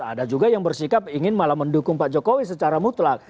ada juga yang bersikap ingin malah mendukung pak jokowi secara mutlak